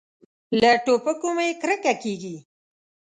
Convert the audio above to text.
له ټوپکو مې کرکه کېږي.